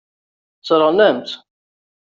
Sseṛɣen-am-tt.